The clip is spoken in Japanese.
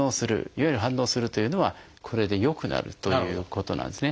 いわゆる「反応する」というのはこれで良くなるということなんですね。